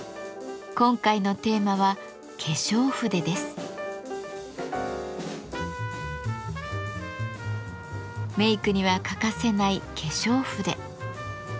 今回のテーマはメイクには欠かせない化粧筆。